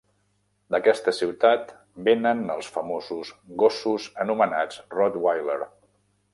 D'aquesta ciutat vénen els famosos gossos anomenats rottweiler.